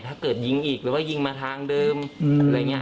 ถ้าเกิดยิงอีกหรือว่ายิงมาทางเดิมอะไรอย่างนี้